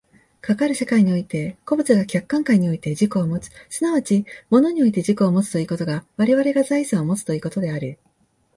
かかる世界において個物が客観界において自己をもつ、即ち物において自己をもつということが我々が財産をもつということである。